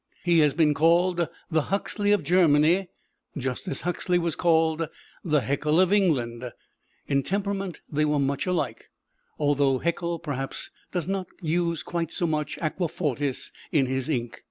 He has been called the Huxley of Germany, just as Huxley was called the Haeckel of England. In temperament, they were much alike; although Haeckel perhaps does not use quite so much aqua fortis in his ink.